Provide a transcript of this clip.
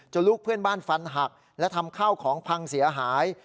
ลูกเพื่อนบ้านฟันหักและทำข้าวของพังเสียหาย